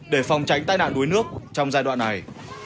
để phòng tránh tai nạn đuối nước trong giai đoạn này